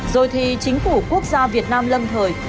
rồi thì chính phủ quốc gia việt nam lâm thời